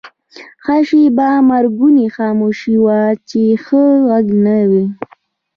ښه شیبه مرګونې خاموشي وه، چې هېڅ ږغ نه و.